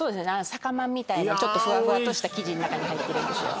酒まんみたいなちょっとフワフワっとした生地の中に入ってるんですよ